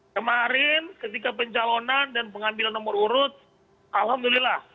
kemarin ketika pencalonan dan pengambilan nomor urut alhamdulillah